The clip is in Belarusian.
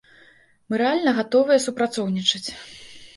Мы рэальна гатовыя супрацоўнічаць.